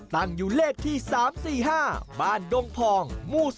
ตั้งอยู่เลขที่๓๔๕บ้านดงพองหมู่๔